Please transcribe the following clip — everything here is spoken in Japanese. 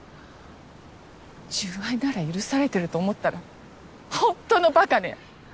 純愛なら許されてると思ったらホントのバカね。